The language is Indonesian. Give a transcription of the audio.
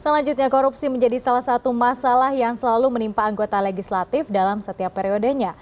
selanjutnya korupsi menjadi salah satu masalah yang selalu menimpa anggota legislatif dalam setiap periodenya